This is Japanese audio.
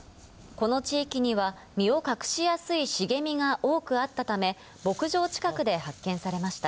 この地域には、身を隠しやすい茂みが多くあったため、牧場近くで発見されました。